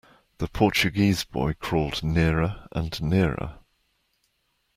The Portuguese boy crawled nearer and nearer.